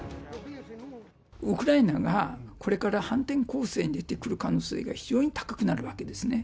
ウクライナがこれから反転攻勢に出てくる可能性が非常に高くなるわけですね。